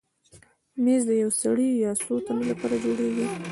مېز د یو سړي یا څو تنو لپاره جوړېږي.